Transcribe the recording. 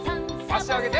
あしあげて。